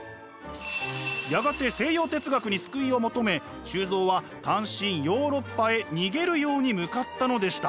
やがて西洋哲学に救いを求め周造は単身ヨーロッパへ逃げるように向かったのでした。